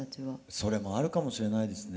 それもあるかもしれないですね。